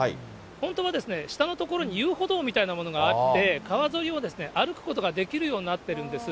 本当はですね、下の所に遊歩道みたいなものがあって、川沿いを歩くことができるようになってるんです。